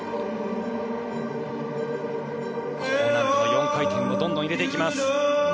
４回転をどんどん入れていきます。